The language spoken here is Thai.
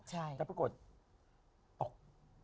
แต่ปรากฏตก